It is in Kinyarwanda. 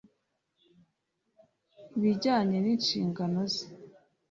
ijyanye nishingano ze .